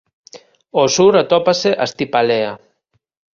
Ao sur atópase Astipalea.